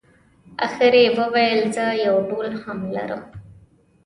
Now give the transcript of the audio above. اخر یې وویل زه یو ډول هم لرم.